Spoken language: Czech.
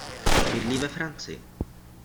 Bydlí ve Francii.